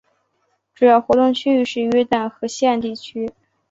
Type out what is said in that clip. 主要活动区域是约旦河西岸地区。